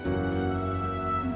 saya ingin tahu